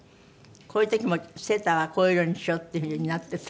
こういう時もセーターはこういう色にしようっていう風になってた？